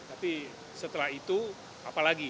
tapi setelah itu apa lagi